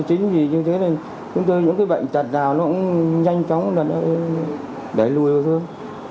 chính vì như thế là chúng tôi những cái bệnh chặt nào nó cũng nhanh chóng để lùi vào thương